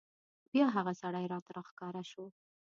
بیا هغه سړی راته راښکاره شو.